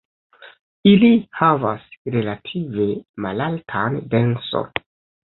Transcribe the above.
Ili havas relative malaltan denso.